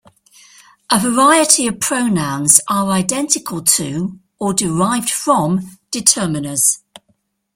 A variety of pronouns are identical to or derived from determiners.